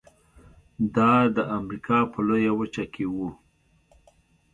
دا د امریکا په لویه وچه کې و.